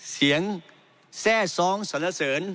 เสียงแซ่ซ้องสะละเสริญ